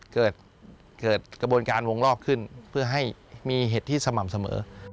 เกิดกระบวนการวงรอบขึ้นเพื่อให้มีเหตุที่สม่ำเสมอ